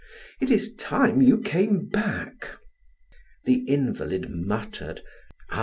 It is time you came back." The invalid muttered: "I?